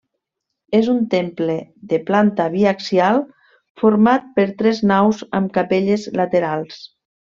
És un temple de planta biaxial format per tres naus amb capelles laterals.